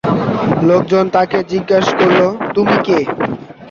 লোকজন তাঁকে জিজ্ঞেস করল, তুমি কে?